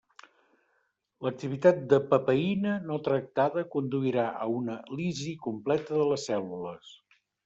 L'activitat de papaïna no tractada conduirà a una lisi completa de les cèl·lules.